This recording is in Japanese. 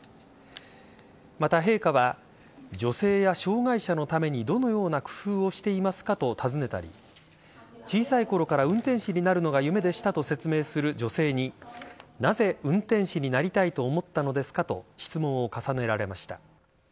また、陛下は女性や障害者のためにどのような工夫をしていますかと尋ねたり小さいころから運転士になるのが夢でしたと説明する女性になぜ運転士になりたいと思ったのですかと質問を重ねられました。